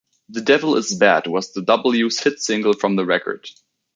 "The Devil Is Bad" was The W's hit single from the record.